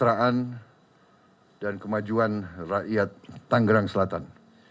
dengan masyarakat demi kejahteraan dan kemajuan rakyat tanggerang selatan